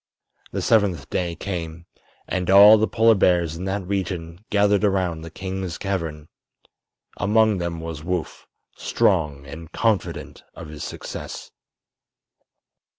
The seventh day came, and all the Polar bears in that region gathered around the king's cavern. Among them was Woof, strong and confident of his success.